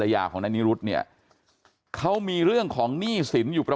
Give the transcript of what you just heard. ยาของนายนิรุธเนี่ยเขามีเรื่องของหนี้สินอยู่ประ